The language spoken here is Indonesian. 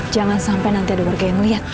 jangan sampai nanti ada warga yang lihat